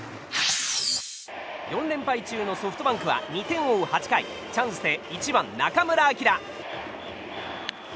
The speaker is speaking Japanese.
４連敗中のソフトバンクは２点を追う８回チャンスで１番、中村晃。